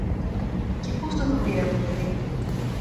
Και πώς του το πήραν το παιδί;